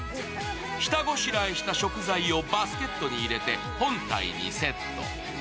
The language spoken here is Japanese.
下ごしらえした食材をバスケットに入れて本体にセット。